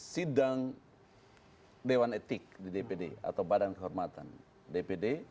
sidang dewan etik di dpd atau badan kehormatan dpd